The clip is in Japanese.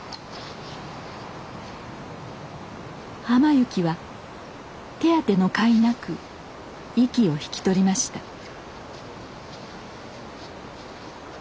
浜雪は手当てのかいなく息を引き取りました。